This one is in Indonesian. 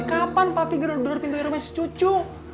kapan papi gedor gedor pintunya rumah si cucu